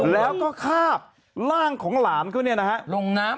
แล้วก็ข้าบร่างของหลานเขาเนี่ยนะฮะ